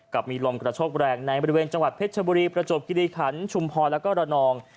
กับมีลมกระโชคแรงในบริเวณจังหวัดเพชรชบุรีประจวบกิริขันชุมพรแล้วก็ระนอง